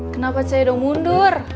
kenapa ceydo mundur